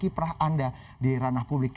kiprah anda di ranah publik